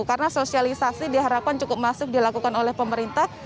karena sosialisasi diharapkan cukup masif dilakukan oleh pemerintah